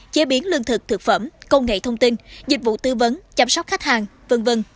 chế biến lương thực thực phẩm công nghệ thông tin dịch vụ tư vấn chăm sóc khách hàng v v